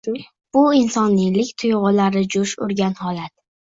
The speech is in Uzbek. Bu insoniylik tuygʻulari joʻsh urgan holat.